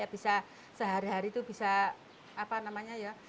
bisa sehari hari itu bisa apa namanya ya